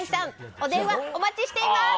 お電話お待ちしています。